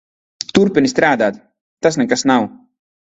Turpini strādāt. Tas nekas nav.